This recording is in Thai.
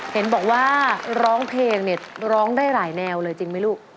เห็นบอกว่าร้องเพลงเนี่ยร้องได้หลายแนวเลยจริงไหมลูก